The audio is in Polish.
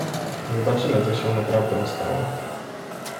"Zobaczmy co się naprawdę stało."